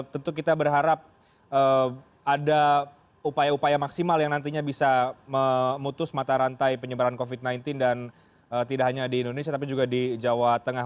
tentu kita berharap ada upaya upaya maksimal yang nantinya bisa memutus mata rantai penyebaran covid sembilan belas dan tidak hanya di indonesia tapi juga di jawa tengah